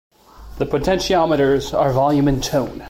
The potentiometers are volume and tone.